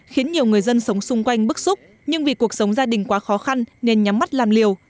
khiến nhiều người dân sống xung quanh bức xúc nhưng vì cuộc sống gia đình quá khó khăn nên nhắm mắt làm liều